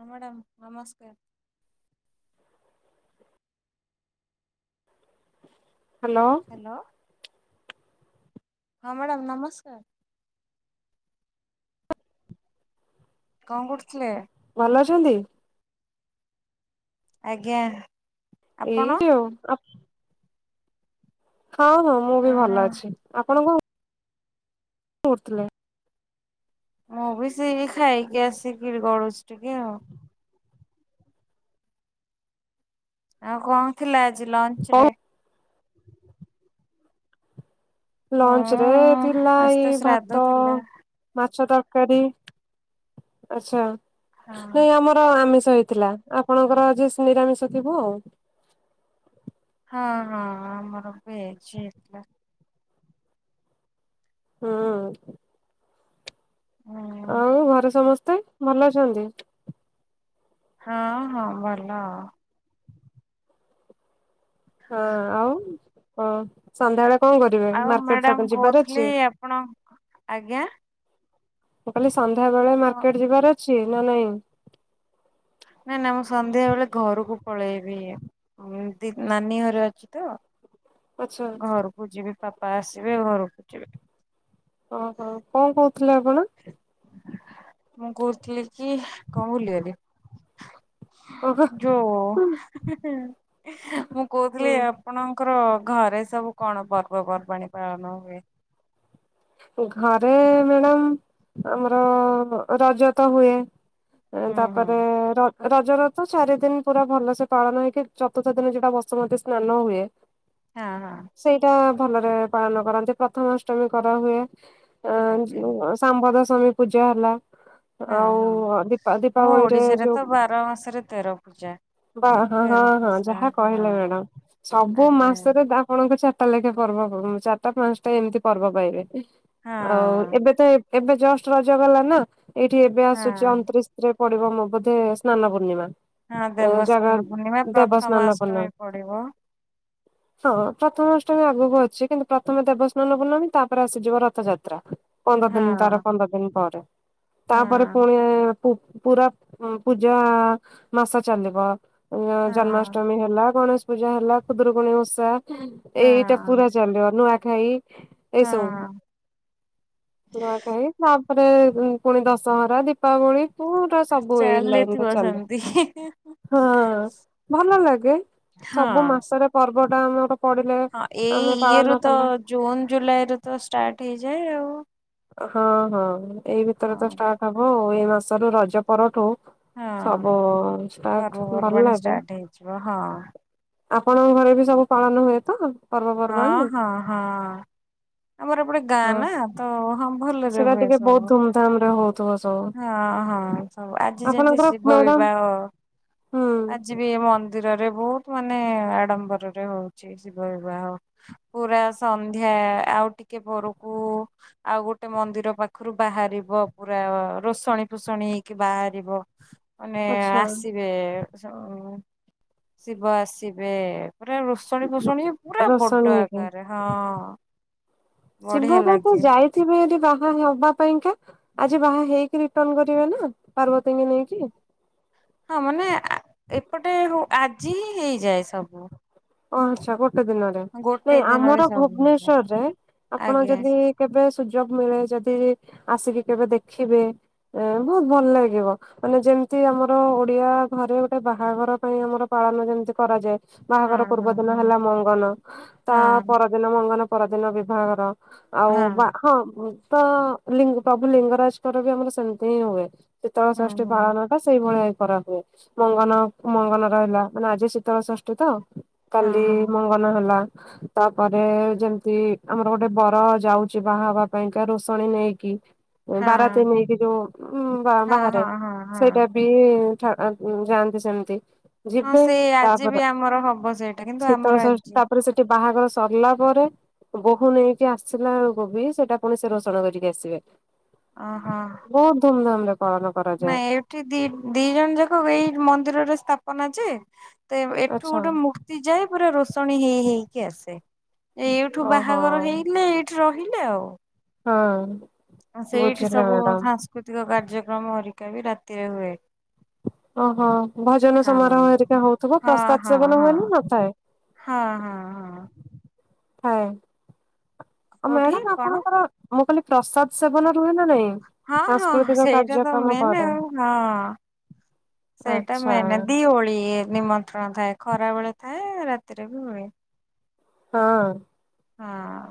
ହଁ ମ୍ୟାଡ଼ାମ ନମସ୍କାର। Hello. Hello. ହଁ ମ୍ୟାଡ଼ାମ ନମସ୍କାର। କଣ କରୁଥିଲେ? ଭଲ ଅଛନ୍ତି? ଆଜ୍ଞା। ଏଇ ଆପଣ ଯଉ ହଁ, ହଁ ମୁଁ ବି ଓହୋ ଭଲ ଅଛି, ଆପଣ କ କରୁ ଥିଲେ? ମୁଁ ବି ସେଇ ଖାଇକି ଆସିକିରି ଗଡୁଛି ଟିକେ ଆଉ। ଆଉ କଣ ଥିଲା ଆଜି ଲଞ୍ଚ ରେ? ଲଞ୍ଚରେ ମୁଁ ଥିଲା ଆଜି ଏଇ ତ ଶ୍ରାଦ୍ଧ ଭାତ ଥିଲା। ମାଛ ତରକାରୀ, ଆଛା ହଁ ନାଇଁ ଆମର ଆମିଷ ହେଇଥିଲା। ଆପଣଙ୍କର ଆଜି ନିରାମିଷ ଥିବ ଆଉ। ହଁ, ହଁ, ହଁ ଆମର ଭେଜ୍ ହେଇଥିଲା। ହୁଁ। ଉଁ। ଆଉ ଘରେ ସମସ୍ତେ ଭଲ ଅଛନ୍ତି? ହଁ, ହଁ ଭଲ। ହଁ ଆଉ ହ ସନ୍ଧ୍ୟାବେଳେ କଣ କରିବେ, ଆଉ ମାର୍କେଟ ମ୍ୟାଡାମ ଫାର୍କେଟ ଯିବାର କହୁଥିଲି ଅଛି? ଆପଣ ଆଜ୍ଞା ମୁଁ କହିଲି ସନ୍ଧ୍ୟାବେଳେ କ ମାର୍କେଟ ଯିବାର ଅଛି ନା ନାଇଁ? ନାଇଁ ନା ମୁଁ ସନ୍ଧ୍ୟା ବେଳେ ଘରକୁ ପଳେଇବି। ନାନୀ ଘରେ ଅଛି ତ। ଆଚ୍ଛା ଘରକୁ ଯିବି ପାପା ଆସିବେ, ଘରକୁ ଯିବି। ଓହୋ କଣ କହୁଥିଲେ ଆପଣ? ମୁଁ କହୁଥିଲି କି, କଣ ଭୁଲିଗଲି। ଓହୋ ଯୋଉ [unintelligible] ମୁଁ ହୁଁ କହୁଥିଲି ଆପଣଙ୍କର ଘରେ ସବୁ କଣ ପର୍ବପର୍ବାଣି ପାଳନ ହୁଏ? ଘରେ ମ୍ୟାଡାମ ଆମର ରଜ ତ ହୁଏ। ହୁଁ ହୁଁ ତାପରେ ର ରଜର ତ ଚାରି ଦିନ ପୁରା ଭଲ ସେ ପାଳନ ହେଇକି ଚତୁର୍ଥ ଦିନ ଯୋଉଟା ବସୁମତୀ ସ୍ନାନ ହୁଏ [inaudible] ହଁ ହଁ। ସେଇଟା ଭଲରେ ପାଳନ କରନ୍ତି, ପ୍ରଥମାଷ୍ଟମୀ କରାହୁଏ। ଆଜ୍ଞା ସାମ୍ବଦଶାମୀ ପୂଜା ହେଲା। ହଁ ହଁ। ଆଉ ଦୀପା ଆମ ଦୀପାବଳିରେ ଓଡିଶାରେ ଯୋଉ ତ ବାର ମାସରେ ତେର ପୂଜା ବା ହଁ ହଁ ତେର ହଁ ପୂଜା ଯାହା କହିଲେ ହଁ। ମ୍ୟାଡାମ ସବୁ ଆଜ୍ଞା ମାସରେ ଆପଣଙ୍କ ଟା ଲେଖେ ପର୍ବ ଚାରିଟା ପାଞ୍ଚଟା ଏମିତି ପର୍ବ ପାଇବେ ହଁ ଆଉ ଏବେ ତ ଏବେ ଜଷ୍ଟ ରଜ ଗଲା ନା ଏଇଠି ଏବେ ଆସୁଛି ହଁ। ଅଣତିରିଶରେ ପଡିବ ମୋ ବୋଧେ ସ୍ନାନ ପୂର୍ଣ୍ଣିମା। ହଁ ଜାଗା ଦେବସ୍ନାନ ପୂର୍ଣ୍ଣିମା ଦେବସ୍ନାନ ପ୍ରଥମାଷ୍ଟମୀ ପୂର୍ଣ୍ଣମୀ ପଡିବ। ହଁ ପ୍ରଥମାଷ୍ଟମୀ ଆଗକୁ ଅଛି କିନ୍ତୁ ପ୍ରଥମେ ଦେବସ୍ନାନ ପୂର୍ଣ୍ଣମୀ ତା ତାର ଆସିଯିବ ରଥଯାତ୍ରା ପନ୍ଦର ହଁ ଦିନ୍ ତାର ପନ୍ଦର ଦିନ୍ ପରେ ତାପରେ ହଁ। ପୁଣି ପୁ-ପୁରା ପୂଜା ମାସ ଚାଲିବ। ଉଁ -ଆଁ ହଁ -ଜନ୍ମାଷ୍ଟମୀ ହେଲା ଗଣେଶ ପୂଜା ହେଲା ଖୁଦୁରୁକୁଣୀ ଉଷା ଏଇଟା ହଁ ପୁରା ଚାଲିବ ନୂଆଖାଇ ଏଇସବୁ ହଁ। ନୁଆଖାଇ ତାପରେ ପୁଣି ଦଶହରା, ଦୀପାବଳି କୁ [unintelligible] ସବୁ ଏଇ ଲାଇନ୍ ରେ ଚାଲିଥିବ ଚାଲେ। ସେମିତି। ହଁ ଭଲ ଲାଗେ ହଁ। ସବୁ ମାସରେ ପର୍ବ ଟା ଆମର ପଡିଲେ ଆମେ ପାଳନ କଲେ। ଜୁନ୍ ଜୁଲାଇ ରେ ତ ଷ୍ଟାର୍ଟ ହେଇଯାଏ ଆଉ। ହଁ- ହଁ ଏଇ ଭିତରେ ତ ହଁ। ଷ୍ଟାର୍ଟ ହବ ଆଉ ଏଇ ମାସରୁ ରଜ ପରଠୁ ହଁ ସବୁ ଷ୍ଟାର୍ଟ ଭଲ୍ ପର୍ବପର୍ବାଣୀ ଲାଗେ। ଷ୍ଟାର୍ଟ ହେଇଯିବ ହଁ ଆପଣଙ୍କ ଘରେ ବି ସବୁ ପାଳନ ହୁଏ ତ? ହଁ ପର୍ବପର୍ବାଣି? -ହଁ -ହଁ ଆମର ଏପଟେ ଗାଁ ହଁ ନା ତ ହଁ- ଭଲରେ ସେଟା ହୁଏ ଟିକେ ସବୁ ବହୁତ ଧୁମଧାମ ରେ ହଉଥିବ ସବୁ ହଁ -ହଁ ସବୁ ଆଜି ଯେମିତି ଆପଣଙ୍କର ଶି ମ୍ୟାଡାମ ବୈବାହ ହୁଁ ଆଜି ବି ମନ୍ଦ୍ ମନ୍ଦିରରେ ବହୁତ୍ ମାନେ ଆଡମ୍ବରରେ ହଉଚି ଶିବ ବିବାହ। ପୁରା ସନ୍ଧ୍ୟା ଆଉ ଟିକେ ପରକୁ ଆଉ ଗୋଟେ ମନ୍ଦିର ପାଖରୁ ବାହାରିବ ପୁରା ରୋଷଣୀ ଫୋଷଣୀ ହେଇକି ବାହାରିବ। ହ ମାନେ ଆସିବ୍ ବେ -ଶ-ଶିବ ଆସିବେ ପୁରା ରୋଷଣୀ ଫୋଷଣୀ ପୁରା ରୋଷଣୀ ବଡ ହେଇକି ଆକାରରେ -ହଁ। ବଢିଆ ଶିବଙ୍କ ତ ଲାଗେ ଯାଇଥିବେ ହେଟି ବାହା ହବା ପାଇଁକା। ଆଜି ବାହା ହେଇକି ରିଟର୍ଣ କରିବେ ନା ପାର୍ବତୀଙ୍କୀ ନେଇକି। ହଁ ମାନେ ଆ- ଏପଟେ ହୋ- ଆଜି ହିଁ ହେଇଯାଏ ସବୁ। ଓ ଆଚ୍ଛା ଗୋଟେ ଦିନରେ ନାଇଁ ଗୋଟେ ଦିନରେ ଆମର ସବୁ ହେଇଯାଏ ଭୁବନେଶ୍ଵରରେ ଆପଣ ଆଜ୍ଞା ଯଦି କେବେ ସୁଯୋଗ୍ ମିଳେ ଯଦି ଆସିକି କେବେ ଦେଖିବେ ଏ- ବହୁତ୍ ଭଲ ଲାଗିବ। ମାନେ ଯେମିତି ଆମର ଓଡିଆ ଘରେ ଗୋଟେ ବାହାଘର ପାଇଁ ଆମର ପାଳନ ଯେମିତି କରାଯାଏ ହଁ ବାହାଘର ହଁ ପୂର୍ବ ଦିନ ହଁ ହେଲା ମଙ୍ଗନ ତା ହଁ ପରଦିନ ମଙ୍ଗନ ପରଦିନ ବିଭାଘର। ଆଉ ହଁ। ବା- ହଁ- ତ ଲି -ପ୍ରଭୁ ଲିଙ୍ଗରାଜଙ୍କର ବି ଆମର ସେମିତି ହିଁ ହୁଏ। ଶୀତଳ ହୁଁ ଷଷ୍ଠୀ ହୁଁ ପାଳନ ଆ-ସେଇଭଳିଆ କରା ହୁଏ ମଙ୍ଗନ- ମଙ୍ଗନ ରହିଲା ମାନେ ଆଜି ଶୀତଳ ଷଷ୍ଠୀ ତ ହଁ କାଲି ମଙ୍ଗନ ହେଲା। ତାପରେ ଯେମିତି ଆମର ଗୋଟେ ବର ଯାଉଚି ବାହା ହବା ପାଇଁକା ରୋଷଣୀ ନେଇକି ହଁ ବାରାତି ନେଇକି ଯଉ ଉଁ ହଁ ହଁ -ବା-ବାହାରେ ହଁ ହଁ ହଁ ସେଇଟା ବି ଠା-ଆଁ-ଯାଆନ୍ତି ସେମିତି ହଁ ଯିବେ ସେଇ ଆଜି ବି ତାପରେ ଆମର ହବ ସେଇଟାକି ଶୀତଳ ଷଷ୍ଠୀ ତାପରେ ସେଠି ବାହାଘର ସରିଲା ପରେ ବୋହୂ ନେଇକି ଆସିଲାଳୁକୁ ବି ସେଇଟା ପୁଣି ସେ ରୋସଣ କରିକି ଆସିବେ। ଓହୋ। ବହୁତ୍ ଧୁମଧାମ୍ ରେ ପାଳନ କରାଯାଏ। ଏଠି ଦି -ଦି ଜଣ ଯାକ ଏଇ ମନ୍ଦିରରେ ସ୍ଥାପନା ଯେ ତେ ଏଠୁ ଆଚ୍ଛା ଗୋଟେ ମୂର୍ତ୍ତ୍ ତି ଯାଏ ପୁରା ରୋଷଣୀ ହେଇ ହେଇକି ଆସେ ଏଇଠୁ ଓହୋ ବାହାଘର ହେଇଲେ ଏ ରହିଲେ ଆଉ। ହଁ। ସେଇଠି ବୁଝିଲେ ସବୁ ମ୍ୟାଡାମ। ସାଂସ୍କୃତିକ କାର୍ଯ୍ୟକ୍ରମ ହେରିକା ବି ରାତିରେ ହୁଏ। ଓହୋ ଭଜନ ହଁ ସମାରୋହ ହେରିକା ହଉଥିବ ହଁ ପ୍ରସାଦ୍ ହଁ ସେବନ ହଁ ହୁଏ ନା ନଥାଏ? ହଁ -ହଁ -ହଁ। ହଁ ଆ କୋଉଠି ମ୍ୟାଡାାମ କଣ ଆପଣଙ୍କର ଆମ କାଲି ପ୍ରସାଦ ସେବନ ରୁହେ ନା ନାଇଁ? ହଁ ହଁ ସାଂସ୍କୃତିକ କାର୍ ସେଇଟା ତ ମେନ ଆଉ ହଁ ସେଇଟା ଆଚ୍ଛା ମେନେ ଦି ଓଳି ୟେ। ନିମନ୍ତ୍ରଣ ଥାଏ। ଖରା ବେଳେ ଥାଏ ରାତିରେ ବି ହୁଏ। ହଁ ହଁ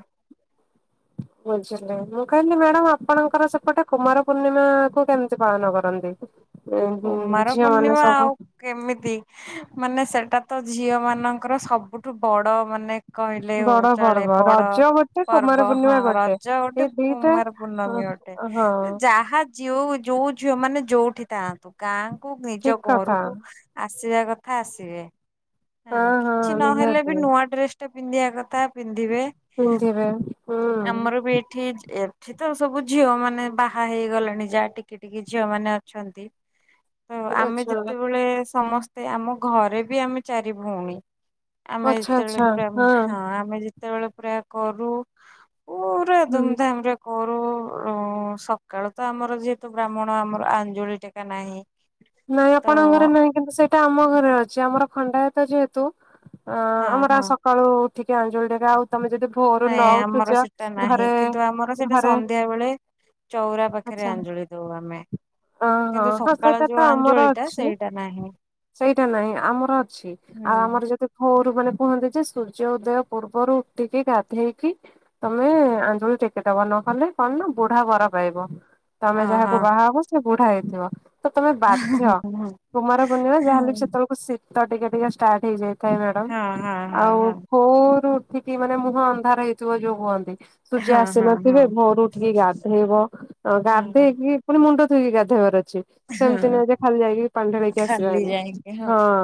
ବୁଝିଲେ ମୁଁ କହିଲି ମ୍ୟାଡାମ ଆପଣଙ୍କର ସେପଟେ, କୁମାର ପୂର୍ଣ୍ଣିମା କୁ କେମିତି ପାଳନ କରନ୍ତି? ଉଁ କୁମାର ଝିଅ ମାନେ ପୂର୍ଣ୍ଣିମା ସବୁ? ଆଉ କେମିତି ମାନେ ସେଟା ତ ଝିଅ ମାନଙ୍କର ସବୁଠୁ ବଡ଼ ମାନେ କହିଲେ ହଉ ବଡ ଚଳେ ପର୍ବ ବଡ ରଜ ଗୋଟେ କୁମାର ପର୍ବ। ହଁ ପୂର୍ଣ୍ଣିମା ଗୋଟେ। ରଜ ଗୋଟେ, ଏଇ ଦିଟା କୁମାର ହଁ ପୂର୍ଣ୍ଣମୀ ଗୋଟେ। ହଁ ଯାହା। ଯଉ ଯୋଉ ଝିଅ ମାନେ ଯୋଉଠି ଥାଆନ୍ତୁ ଗାଁ କୁ ନିଜ ଠିକ କଥା ଘରକୁ ଆସିବା କଥା ଆସିବେଁ ହଁ ହଁ କିଛି ନହେଲେ ନିହାତି। ବି ନୂଆ ଡ୍ରେସ ପିନ୍ଧିବା କଥା ପିନ୍ଧିବେ। ପିନ୍ଧିବେ ହୁଁ ଆମର ବି ଏଠି ଏଇଠି ଏଠି ତ ସବୁ ଝିଅ ମାନେ ବାହା ହେଇଗଲେଣି, ଯାହା ଟିକି ଟିକି ଝିଅ ମାନେ ଅଛନ୍ତି। ଆମେ ଆଚ୍ଛା। ଯେତେବେଳେ ସମସ୍ତେ ଆମ ଘରେ ବି ଆମେ ଚାରି ଭଉଣୀ। ଆମେ ଆଚ୍ଛା ଯେତେବେଳେ ଆଚ୍ଛା ପୁରା ହଁ ଆମେ ଯେତେ ଯେତେବେଳେ ପୁରା କରୁ ପୁରା ହୁଁ ଧୁମଧାମରେ। କରୁ ସକାଳୁ ତ ଆମର ଯେହେତୁ ବ୍ରାହ୍ମଣ ଆମର ଆଞ୍ଜୁଳି ଟେକା ନାହିଁ। ନାଇଁ ତ ଆପଣଙ୍କ ଘରେ ନାହିଁ। କିନ୍ତୁ ସେଇଟା ଆମ ଘରେ ଅଛି ଆମର ଖଣ୍ଡାୟତ ଯେହେତୁ ହଁ ଅଂ ଆମର ହଁ ସକାଳୁ ଉଠିକି ଆଞ୍ଜୁଳି ଟେକା ଆଉ ତମେ ଯଦି ଭୋରୁ ନ ନାଇଁ ଉଠୁଛ ଆମର ସେଟା ନାହିଁ ଘରେ କିନ୍ତୁ ଆମର ସେଇଟା ଘରେ ସନ୍ଧ୍ୟା ବେଳେ ଚଉରା ପାଖରେ ଆଚ୍ଛା ଆଞ୍ଜୁଳି ଦଉ ଆମେ। ହଁ ହୋ କିନ୍ତୁ ହଁ ସକାଳ ସେଇଟା ଯୋଉ ତ ଆମର ଆଞ୍ଜୁଳି ଟା ଅଛି। ସେଇଟା ନାହିଁ। ସେଇଟା ନାହିଁ ଆମର ଅଛି ଆଉ ହୁଁ ଆମର ଯଦି ଭୋରୁ ମାନେ କୁହନ୍ତି ଯେ ସୂର୍ଯ୍ୟ ଉଦୟ ପୂର୍ବରୁ ଉଠିକି ଗାଧେଇକି ତମେ ଆଞ୍ଜୁଳି ଟେକି ଦବ ନ କଲେ କଣ ନା ବୁଢା ବର ପାଇବ। ତମେ ଓହୋ ଯାହାକୁ ବାହାହବ ସେ ବୁଢା ହେଇଥିବ। ତ ତମେ ବାଧ୍ୟ ହଁ ହଁ କୁମାରପୂଣ୍ଣିମା ଯାହାହେଲେ ବି ସେତେବେଳେ ଶୀତ ଟିକେ ଟିକେ ଷ୍ଟାର୍ଟ ହେଇଯାଇଥାଏ ମ୍ୟାଡ଼ାମ। ହଁ ଆଉ ହଁ। ଭୋରୁ ଉଠିକି ମାନେ ମୁହଁ ଅନ୍ଧାର ହେଇଥିବ ଯୋଉ କୁହନ୍ତି। ସୂର୍ଯ୍ୟ ହଁ ଆସି ହଁ ନଥିବେ ହଁ ଭୋରୁ ଟିକେ ଗାଧେଇବ। ହଁ ଗାଧେଇକି ପୁଣି ମୁଣ୍ଡ ଧୋଇକି ଗାଧୋଇବାର ଅଛି। ସେମିତି ନାହିଁ ଯେ ଖାଲି ଯାଇକି ପାଣିଢାଲିକି ଆସି ଖାଲି ବାହାରି। ଯାଇକି ହଁ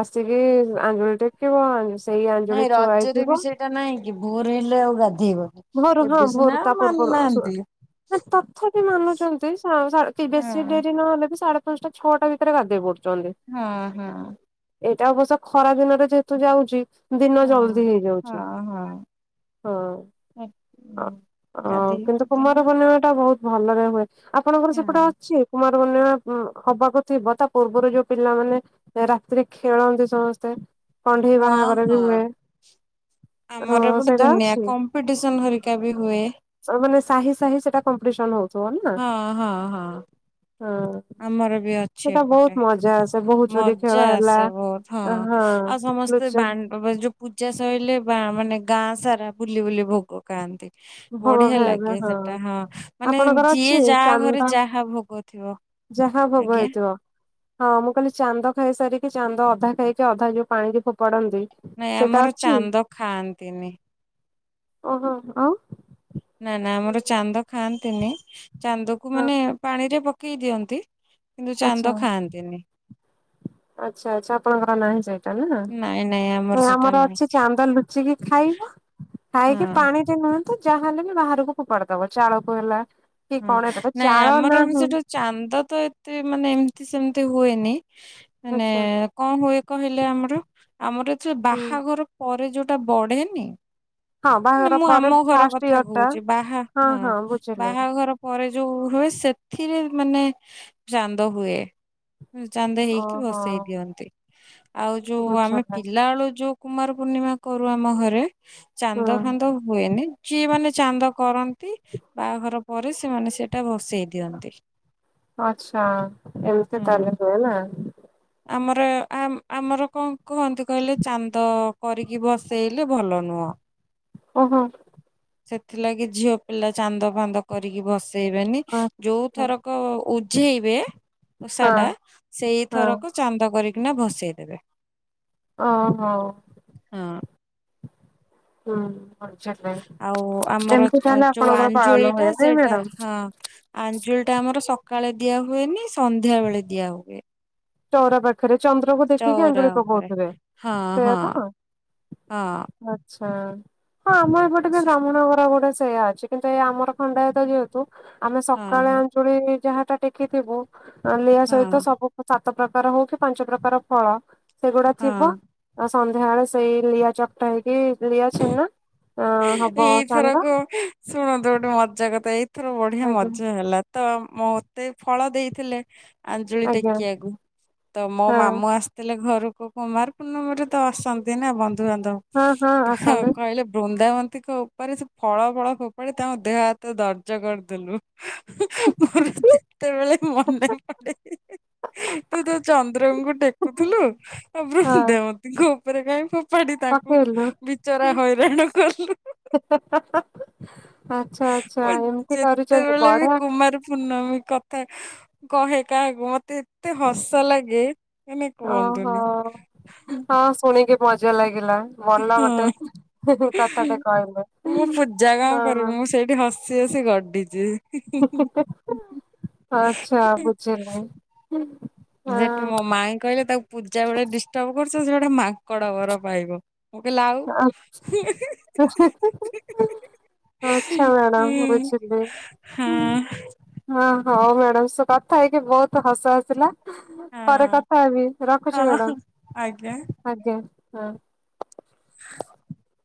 ଆସିକି ଆଞ୍ଜୁଳି ଟେକିବ ସେଇ ଆଞ୍ଜୁଳି ଥୁଆ ହେଇଥିବ ଏଟା ନାଇଁ କି ଭୋର ହେଲେ ଆଉ ଗାଧେଇବନି। ଭୋରୁ ହଁ ଏବେ ସିନା ଭୋର ତା ପୂର୍ବରୁ ଶୁଣ ମାନୁନାହାନ୍ତି ନା ତଥାପି ମାନୁଛନ୍ତି, ହଁ ବେଶୀ ଡେରି ନହେଲେ ବି ସାଢେ ପାଞ୍ଚଟା ଛଅଟା ଭିତରେ ଗାଧେଇ ପଡୁଛନ୍ତି। ହୁଁ ହୁଁ। ଏଇଟା ଅବଶ୍ୟ ଖରା ଦିନରେ ଯେହେତୁ ଯାଉଛି। ଦିନ ହଁ। ଜଲଦି ହେଇଯାଉଛି। ହଁ ହଁ ହ। ଉଁ, ହଁ ଓ ଗାଧେଇ କିନ୍ତୁ କୁମାର ପାଧେଇ ପୂର୍ଣ୍ଣିମା ଟା ବହୁତ ଭଲରେ ହୁଏ। ଆପଣଙ୍କର ହଁ। ସେପଟେ ଅଛି? କୁମାରପୂଣ୍ଣିମା ହବାକୁ ଥିବ ତା ପୂର୍ବରୁ ଯୋଉ ପିଲାମାନେ ରାତିରେ ଖେଳନ୍ତି ସମସ୍ତେ? ଯୋଉ କଣ୍ଢେଇ ହଁ ବାହାଘର ବି ହୁଏ ହଁ ସେଇଟା ଅଛି? କଂପିଟସନ ହରିକା ବି ହୁଏ। ମାନେ ସାହି ସାହି ସେଟା କମ୍ପିଟିସନ ହଉଛି। ହଁ ହଁ ହଁ ହଁ। ହଁ ଆମର ବି ଅଛି ସେଟା ବହୁତ ଏପଟେ ମଜା ଆସେ ବୋହୁ ଚୋରି ଖେଳ ମଜା ହେଲା ଆସେ ବହୁତ। ହଁ ଆଉ ସମସ୍ତେ ଲୁଚ ବା ଯୋଉ ପୂଜା ସଇଲେ ବା ମାନେ ଗାଁ ସାରା ବୁଲି ବୁଲି ଭୋଗ ଖାଆନ୍ତି। ଭୋଗ ବଢ଼ିଆ ଖାଇବା ଲାଗେ ସେଟା ହଁ ମାନେ ଆପଣଙ୍କର ଅଛି ଯିଏ ଯାହା ଘରେ ଚାନ୍ଦା ଯାହା ଭୋଗଥିବ। ଯାହା ଭୋଗ ହେଇଥିବ। ହଁ ମୁଁ କହିଲି ଚାନ୍ଦ ଖାଇସାରିକି ଚାନ୍ଦ ଅଧା ଖାଇକି ଅଧା ଯୋଉ ପାଣିିକି ଫୋପାଡ଼ନ୍ତି। ନାଇଁ ଆମର ଚାନ୍ଦ ଖାଆନ୍ତିନି। ଓ ହୋ ଆଉ ନା ନା ଆମର ଚାନ୍ଦ ଖାଆନ୍ତିନି ଚାନ୍ଦକୁ ଆଚ୍ଛା। ମାନେ ପାଣିରେ ପକେଇ ଦିଅନ୍ତି। କିନ୍ତୁ ଚାନ୍ଦ ଖାଆନ୍ତିନି। ଆଚ୍ଛା ଆଚ୍ଛା ଆପଣଙ୍କର ନାହିଁ ସେଇଟା ନା? ନାଇଁ ନାଇଁ ସେଟା ଆମର ନାଇଁ ଅଛି ଚାନ୍ଦ ଲୁଚିକି ଖାଇବ ହଁ। ଖାଇକି ପାଣି ରେ ନୁହଁତି ଯାହାହଲେ ବି ବାହାରକୁ ଫୋପାଡ଼ି ଦବ ଚାଳକୁ ହେଲା କି ହଁ କଣ ଏବେ ତ ନାଇଁ ଚାଳ ଆମର ନାହିଁ। ସେଠୁ ଚାନ୍ଦ ତ ଏତେ ମାନେ ଏମିତି ସେମିତି ହୁଏନି। ମାନେ ଆଚ୍ଛା କଣ ହୁଏ କହିଲେ ଆମର ଆମର ଯୋଉ ହୁଁ ବାହାଘର ପରେ ଯୋଉଟା ବଢ଼େନି ହଁ ମାନେ ବାହାଘର ମୁଁ ପରେ ଆମ ଘର ଫାଷ୍ଟ କଥା ଇୟର ଟା କହୁଛି ବାହା ହଁ ବାହାଘର ପରେ ଯୋଉ ହୁଏ ସେଥିରେ ମାନେ ଚାନ୍ଦ ହୁଏ। ଚାନ୍ଦ ହେଇକି ଓହୋ ଭସେଇ ଦିଅନ୍ତି ଆଉ ଯୋଉ ଆମେ ବୁଝିଲେ ପିଲାବେଳୁ ଯୋଉ କୁମାର ପୂର୍ଣ୍ଣିମା କରୁ ଆମ ଘରେ ହୁଁ ଚାନ୍ଦ ଫାନ୍ଦ ହୁଏନି ଯିଏ ମାନେ ଚାନ୍ଦ କରନ୍ତି। ବାହାଘର ପରେ ସେମାନେ ସେଇଟା ଭସେଇ ଦିଅନ୍ତି। ଆଚ୍ଛା ଏମିତି ହଁ। ତାହଲେ ହୁଏ ନା? ଆମର ଆ ଆମର କଣ କୁହନ୍ତି କହିଲେ ଚାନ୍ଦ କରିକି ଭସେଇଲେ ଭଲ ନୁହଁ। ଓହୋ ସେଥିଲାଗି ଝିଅ ପିଲା ଚାନ୍ଦ ଫାନ୍ଦ କରିକି ଭସ ଇବେନି ଯୋଉ ଆଚ୍ଛା ଥରକ ଉଝେଇବେ ଓଷା ହଁ। ଟା ସେଇ ହଁ ଥରକ ଚାନ୍ଦ କରିକିନା ଭସେଇଦେବେ। ଓ ହୋ ହୁଁ ବୁଝିଲି ଆଉ ଆମର ଏମିତି ତାହେଲେ ଯୋଉ ଆପଣଙ୍କର ପାଳନ ଆଞ୍ଜୁଳି ଟା ହୁଏ ନାଇଁ ସେଇଟା ମ୍ୟାଡାମ ହଁ ଆଞ୍ଜୁଳି ଟା ଆମର ସକାଳେ ଦିଆ ହୁଏନି ସନ୍ଧ୍ୟା ବେଳେ ଦିଆ ହୁଏ। ଚଉରା ପାଖରେ ଚନ୍ଦ୍ରକୁ ଦେଖିକି ଆଞ୍ଜୁଳି ଚଉଁରାଁ ଉପରେ ପକଉଥିବେ ହଁ ସେଇଆ ହଁ। ତ ହଁ। ଆଚ୍ଛା ହଁ ଆମର ଏପଟେ ବି ବ୍ରାହ୍ମଣ ଘର ଗୋଟେ ସେଇୟା ଅଛି। କିନ୍ତୁ ଏଇ ଆମର ଖଣ୍ଡାୟତ ଯେହେତୁ ଆମେ ସକାଳେ ହଁ ଆଞ୍ଚୁଳି ଯାହାଟା ଟେକିଥିବୁ ନହେଲେ ଇୟା ହଁ ସହିତ ସବୁ ସାତ ପ୍ରକାର ହଉ କି ପାଞ୍ଚ ପ୍ରକାର ଫଳ ସେଗୁଡ଼ା ହଁ। ଥିବ। ଆଉ ସନ୍ଧ୍ୟାବେଳେ ସେଇ ଲିଆ ଚକୁଟା ହେଇକି ଲିଆ ଛେନା ହବ ଚାନ୍ଦ। ଏଇଥରକ ଶୁଣନ୍ତୁ ଗୋଟେ ମଜା କଥା ଏଇଥର ବଢ଼ିଆ ଆଜ୍ଞା ମଜା ହେଲା। ତ ମୋତେ ଫଳ ଦେଇଥିଲେ ଆଞ୍ଜୁଳି ଆଜ୍ଞା ଟେକିଆକୁ ତ ମୋ ହଁ ମାମୁଁ ଆସ ଥିଲେ ଘରକୁ କୁମାର ପୂର୍ଣ୍ଣମରେ ତ ଆସନ୍ତି ନା ବନ୍ଧୁବାନ୍ଧବ ହଁ ହଁ ଆସନ୍ତୁ କହିଲେ ବୃନ୍ଦାବନ୍ତୀଙ୍କ ଉପରେ ସେ ଫଳ ଫଳ ଫୋପାଡ଼ି ତାଙ୍କ ଦେହ ହାତ ଦର୍ଜ କରିଦେଲୁ। ମୋର ଯେତେବେଳେ ମନେ ପଡ଼େ ତୁ ତ ଚନ୍ଦ୍ରଙ୍କୁ ଟେକୁଥୁଲୁ ଆଉ ହଁ ବୃନ୍ଦବତୀଙ୍କ ଉପରେ କାଇଁ ଫୋ ପାଡ଼ି ତାଙ୍କୁ ପକେଇଲୁ। ବିଚରା ହଇରାଣ କଲୁ। ଆଚ୍ଛା ଆଚ୍ଛା ମୁଁ ଏମିତି କରିଛନ୍ତି ଯେତେବେଳେ ବି ବଡ଼ କୁମାର ପୂର୍ଣ୍ଣମୀ କଥା କହେ କାହାକୁ ମତେ ଏତେ ହସ ଲାଗେ। ମାନେ ହଁ ହଁ କୁହନ୍ତୁନି। ହଁ ଶୁଣିକି ମଜା ଲାଗିଲା। ଭଲ ଗୋଟେ ହଁ ହିଁ ହିଁ କଥାଟେ କହିଲେ ମୁଁ ପୂଜା କଣ ହଁ। କରିବି ମୁଁ ସେଇଠି ହସି ହସି ଗଡିଚି। ଆଚ୍ଛା ବୁଝେ ନାଇଁ ସେଠୁ ମୋ ମାଇଁ କହିଲେ ତାକୁ ପୂଜା ବେଳେ ଡିଷ୍ଟବ୍ କରୁଛ ସେ ଗୋଟେ ମାଙ୍କଡ଼ ବର ପାଇବ। ମୁଁ କହିଲି ଆଉ ଆଛା ମ୍ୟାଡାମ୍ ହୁଁ। ବୁଝିଲି। ହଁ ହଁ ହଁ ମ୍ୟାଡାମ୍ ସେ କଥା ହେଇକି ବୋହୁତ ହସ ଆସିଲା। ପରେ ହଁ କଥା ହେବି ରଖୁଚି ହଁ ଆଜ୍ଞା। ମ୍ୟାଡାାମ ଆଜ୍ଞା ହଁ। [inaudible]